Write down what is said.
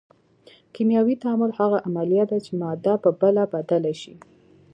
کیمیاوي تعامل هغه عملیه ده چې ماده په بله بدله شي.